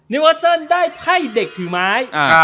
วอเซิลได้ไพ่เด็กถือไม้